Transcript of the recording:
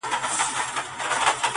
د خدای نور ته په سجده خريلی مخ دی!!